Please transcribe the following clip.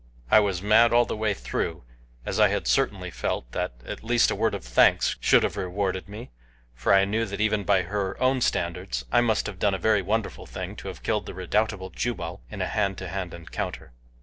I was mad all the way through, as I had certainly felt that at least a word of thanks should have rewarded me, for I knew that even by her own standards, I must have done a very wonderful thing to have killed the redoubtable Jubal in a hand to hand encounter.